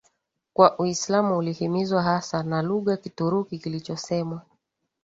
kwa Uislamu ulihimizwa haswa na lugha Kituruki kilichosemwa